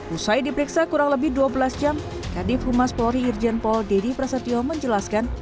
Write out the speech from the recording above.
usai diperiksa kurang lebih dua belas jam kadif humas polri irjen pol dedy prasetyo menjelaskan